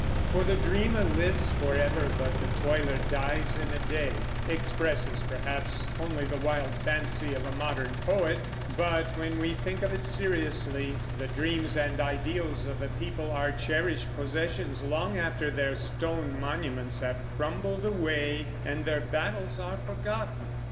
"For the dreamer lives forever, but the toiler dies in a day," expresses, perhaps, only the wild fancy of a modern poet; but, when we think of it seriously, the dreams and ideals of a people are cherished possessions long after their stone monuments have crumbled away and their battles are forgotten.